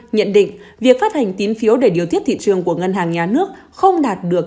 nhận định việc phát hành tín phiếu để điều tiết thị trường của ngân hàng nhà nước không đạt được